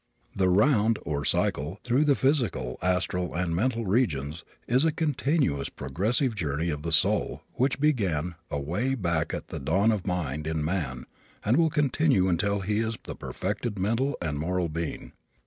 This round, or cycle, through the physical, astral and mental regions, is a continuous progressive journey of the soul which began away back at the dawn of mind in man and will continue until he is the perfected mental and moral being.